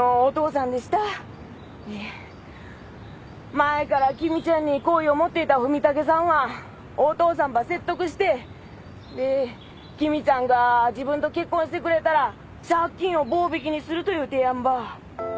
前から君ちゃんに好意を持っていた文武さんはお父さんば説得して君ちゃんが自分と結婚してくれたら借金を棒引きにするという提案ば。